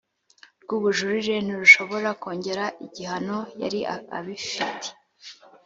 rw ubujurire ntirushobora kongera igihano yari abifite